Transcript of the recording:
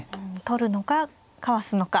取るのかかわすのか。